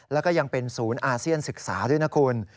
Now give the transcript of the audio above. แล้วก็ยังเป็นศูนย์อาเซียนศึกษาด้วยนะคุณ